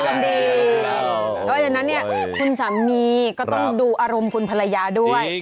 เพราะฉะนั้นเนี่ยคุณสามีก็ต้องดูอารมณ์คุณภรรยาด้วย